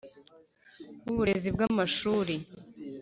W uburezi bw amashuri